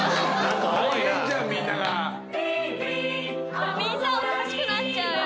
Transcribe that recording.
これみんなおかしくなっちゃうよ。